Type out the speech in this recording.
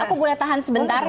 nah kita udah tahan sebentar